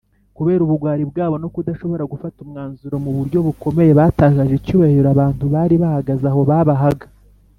kubera ubugwari bwabo no kudashobora gufata umwanzuro, mu buryo bukomeye batakaje icyubahiro abantu bari bahagaze aho babahaga,